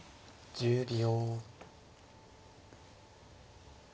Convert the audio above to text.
１０秒。